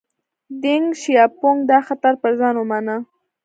دینګ شیاپونګ دا خطر پر ځان ومانه.